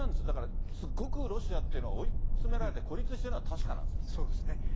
だからすごくロシアっていうのは追い詰められて、孤立してるのは確かなんですよね。